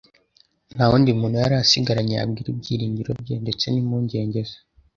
Nta wundi muntu yari asigaranye yabwira ibyiringiro bye ndetse n'impungenge ze.